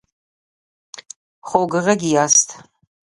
خوږغږي ياست